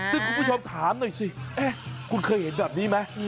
ซึ่งคุณผู้ชมถามหน่อยสิคุณเคยเห็นแบบนี้ไหม